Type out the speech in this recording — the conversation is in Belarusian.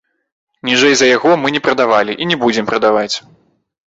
Ніжэй за яго мы не прадавалі і не будзем прадаваць.